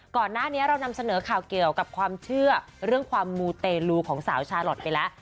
ก่อนหน้านี้เรานำเสนอข่าวเกี่ยวกับความเชื่อเรื่องความมูเตลูของสาวชาลอทไปแล้ว